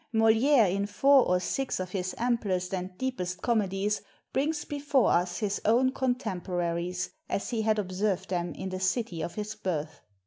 Moliere in four or six of his amplest and deepest comedies brings before us his own contemporaries as he had observed them in the city of his birth.